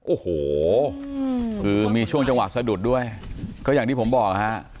โอ้โหคือมีช่วงจังหวะสะดุดด้วยก็อย่างที่ผมบอกฮะ